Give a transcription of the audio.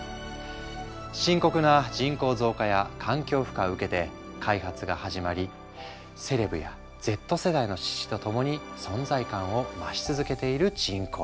深刻な人口増加や環境負荷を受けて開発が始まりセレブやＺ世代の支持と共に存在感を増し続けている人工肉。